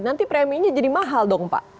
nanti preminya jadi mahal dong pak